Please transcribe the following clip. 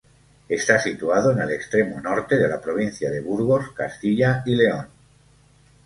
Está situado en el extremo norte de la Provincia de Burgos, Castilla y León.